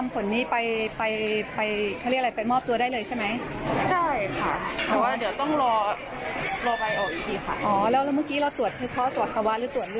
อ๋อไปลุกค่ะ